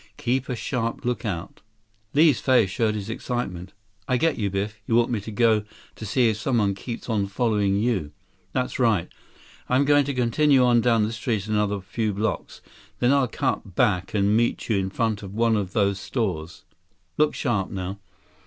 Keep a sharp lookout." Li's face showed his excitement. "I get you, Biff. You want me to see if someone keeps on following you." "That's right. I'm going to continue on down the street another few blocks. Then I'll cut back and meet you in front of one of those stores. Look sharp, now."